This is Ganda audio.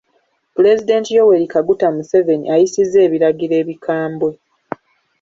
Pulezidenti Yoweri Kaguta Museveni ayisizza ebiragiro ebikambwe.